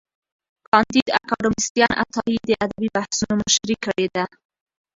کانديد اکاډميسن عطايي د ادبي بحثونو مشري کړې ده.